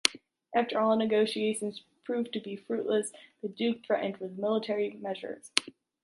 After all negotiations proved to be fruitless, the duke threatened with military measures.